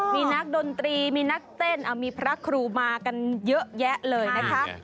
มีนักดนตรีมีนักเต้นมีพระครูมากันเยอะแยะเลยนะคะ